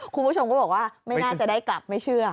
คุณผู้ชมก็บอกว่าไม่น่าจะได้กลับไม่เชื่อ